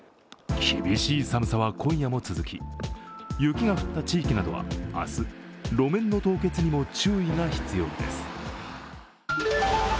厳しい寒さは今夜も続き雪が降った地域などは明日、路面の凍結にも注意が必要です。